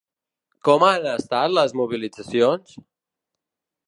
Com han estat les mobilitzacions?